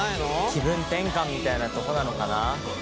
気分転換みたいなことなのかな？